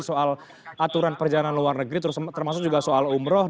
soal aturan perjalanan luar negeri termasuk juga soal umroh